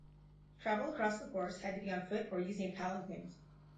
Travel across the forest had to be on foot or using palanquins.